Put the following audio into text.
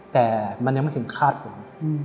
แต่มันยังไม่ถึงฆาตผม